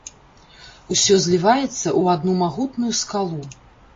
Усё зліваецца ў адну магутную скалу.